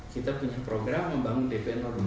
kita punya program membangun dprd